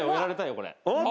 これ。